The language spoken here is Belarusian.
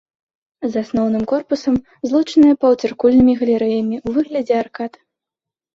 З асноўным корпусам злучаныя паўцыркульнымі галерэямі ў выглядзе аркад.